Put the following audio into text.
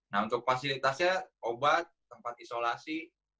nah untuk fasilitasnya obat tempat isolasi